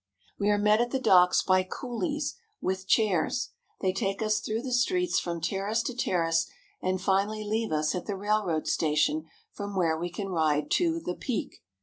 We are met at the docks by coolies with chairs. They take us through the streets from terrace to terrace, and finally leave us at the railroad station from where we can ride to The Peak.